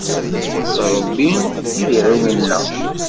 D Rebbi i d iɣil-nneɣ.